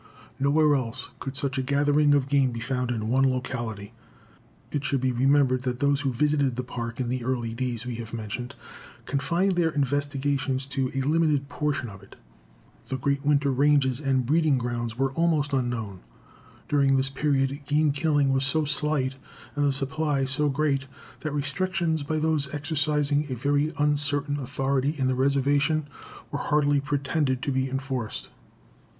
Nowhere else could such a gathering of game be found in one locality. It should be remembered that those who visited the Park in the early days we have mentioned confined their investigations to a limited portion of it. The great winter ranges and breeding grounds were almost unknown. During this period, game killing was so slight and the supply so great that restrictions, by those exercising a very uncertain authority in the reservation, were hardly pretended to be enforced.